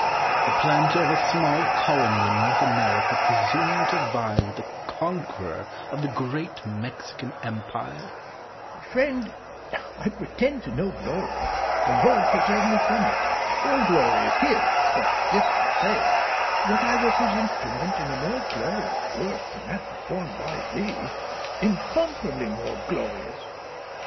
The planter of a small colony in North America presume to vie with the conqueror of the great Mexican Empire? Penn. Friend, I pretend to no glory the Lord preserve me from it. All glory is His; but this I say, that I was His instrument in a more glorious work than that performed by thee incomparably more glorious.